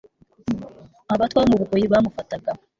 abatwa bo mu bugoyi bamufataga